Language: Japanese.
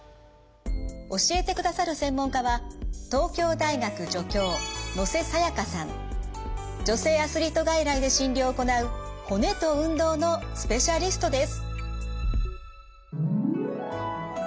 教えてくださる専門家は女性アスリート外来で診療を行う骨と運動のスペシャリストです。